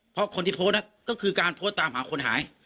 เพราะคนที่โพสต์ก็คือการโพสต์ตามหาคนหาย